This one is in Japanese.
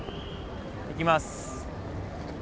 行きます。